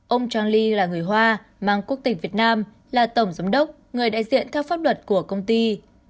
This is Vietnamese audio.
ông trang ly là người hoa mang quốc tịch việt nam là tổng giám đốc người đại diện theo pháp luật của công ty